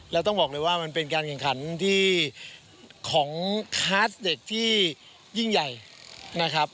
แล้วต้องบอกเลยว่ามันเป็นการแข่งขันที่ของคลาสเด็กที่ยิ่งใหญ่นะครับ